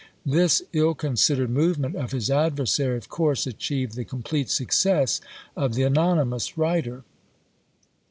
This ill considered movement of his adversary of course achieved the complete success of the anonymous writer.